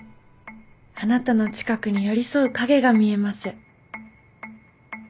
あなたの近くに寄り添う影が見えます。